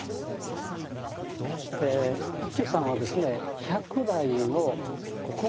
一休さんはですね